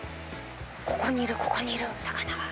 ここにいるここにいる魚が。